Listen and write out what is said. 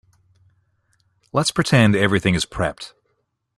Let's pretend everything is prepped.